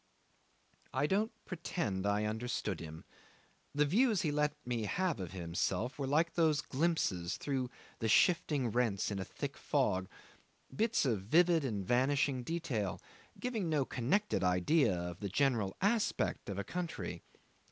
'I don't pretend I understood him. The views he let me have of himself were like those glimpses through the shifting rents in a thick fog bits of vivid and vanishing detail, giving no connected idea of the general aspect of a country.